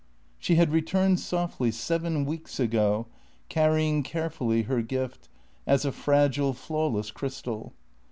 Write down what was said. She had returned softly, seven weeks ago, carrying carefully her gift, as a fragile, flawless crystal.